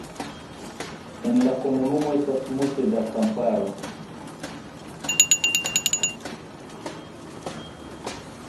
En la komunumo estas multe da kamparo.